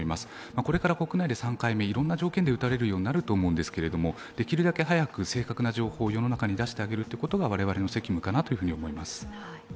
これから国内で３回目、いろいろな条件で打たれるようになると思うんですけど、できるだけ早く正確な情報を世の中に出してあげることが我々の責務かなと思います。